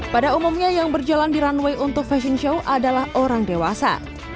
pada umumnya yang berjalan di runway untuk fashion show adalah orang dewasa